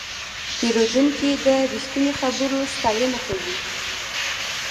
پیرودونکی د رښتیني خبرو ستاینه کوي.